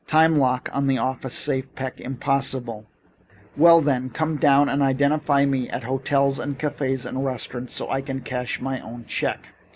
"Time lock on the office safe, Peck. Impossible." "Well then, come downtown and identify me at hotels and cafés and restaurants so I can cash my own check."